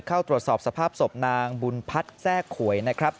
เข้าตรวจสอบสภาพศพนางบุญพัฒน์แทรกขวยนะครับ